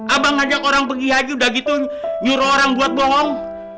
abang ngajak orang pergi haji udah gitu nyuruh orang buat bohong